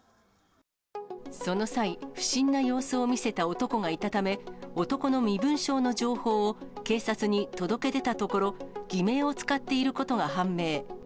その際、不審な様子を見せた男がいたため、男の身分証の情報を警察に届け出たところ、偽名を使っていることが判明。